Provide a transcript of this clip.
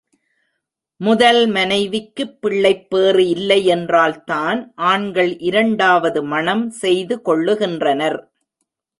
முதல் மனைவிக்குப் பிள்ளைப்பேறு இல்லை யென்றால்தான், ஆண்கள் இரண்டாவது மணம் செய்து கொள்ளுகின்றனர்.